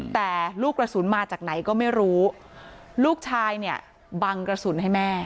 แต่ลูกกระสุนมาจากไหนก็ไม่รู้ลูกชายเนี่ยบังกระสุนให้แม่